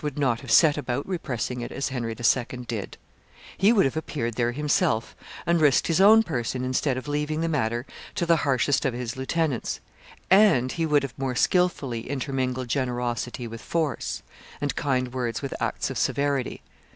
would not have set about repressing it as Henry II. did; he would have appeared there himself and risked his own person instead of leaving the matter to the harshest of his lieutenants, and he would have more skilfully intermingled generosity with force, and kind words with acts of severity.